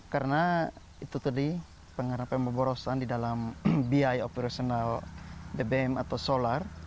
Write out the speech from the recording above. karena itu tadi pengarahan pemborosan di dalam biaya operasional bbm atau solar